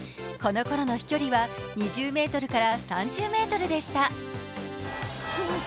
このころの飛距離は２０ｍから３０ｍでした。